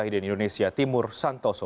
di indonesia timur santoso